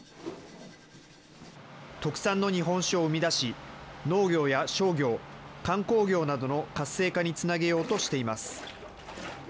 特産の日本酒を生み出し、農業や商業、観光業などの活性化につなげようとしています。